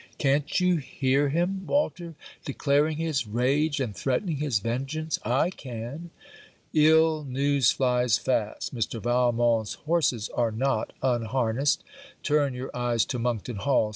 Can't you hear him, Walter, declaring his rage, and threatening his vengeance? I can. Ill news fly fast. Mr. Valmont's horses are not unharnessed. Turn your eyes to Monkton Hall.